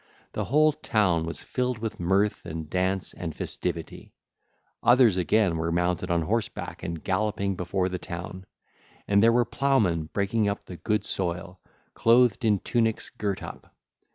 The whole town was filled with mirth and dance and festivity. (ll. 285 304) Others again were mounted on horseback and galloping before the town. And there were ploughmen breaking up the good soil, clothed in tunics girt up.